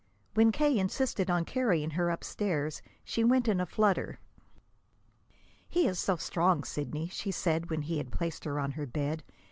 When K. insisted on carrying her upstairs, she went in a flutter. "He is so strong, Sidney!" she said, when he had placed her on her bed.